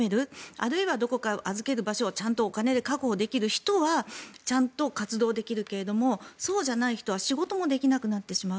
あるいはどこか預ける場所をちゃんとお金で確保できる人はちゃんと活動できるけどもそうじゃない人は仕事もできなくなってしまう。